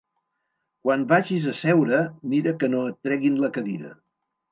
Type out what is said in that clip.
Quan vagis a seure mira que no et treguin la cadira.